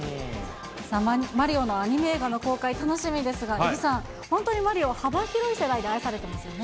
マリオのアニメ映画の公開、楽しみですが、えびさん、本当にマリオ、幅広い世代で愛されてますよね。